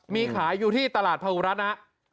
มีขายอยู่ที่ตลาดภาหุรัฐนะ